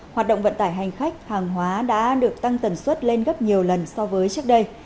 hoạt động vận tải hành khách hàng hóa đã được tăng tần suất lên gấp nhiều lần so với trước đây